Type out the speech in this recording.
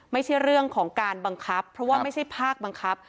ไม่ใช่เรื่องของการบังคับเพราะว่าไม่ใช่ภาคบังคับ